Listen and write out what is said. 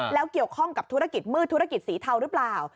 แล้วเกี่ยวข้องกับธุรกิจมืดธุรกิจสีเทาหรือเปล่า